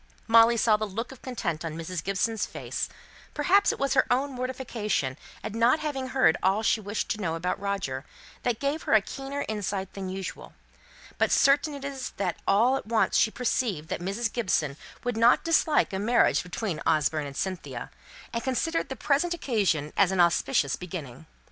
Molly saw the look of content on Mrs. Gibson's face; perhaps it was her own mortification at not having heard all she wished to know about Roger, which gave her a keener insight than usual, but certain it is that all at once she perceived that Mrs. Gibson would not dislike a marriage between Osborne and Cynthia, and considered the present occasion as an auspicious beginning.